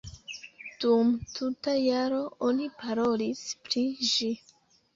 Dum tuta jaro oni parolis pri ĝi.